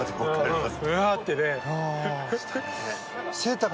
うわあ！ってね。